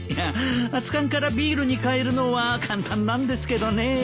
熱かんからビールに替えるのは簡単なんですけどね。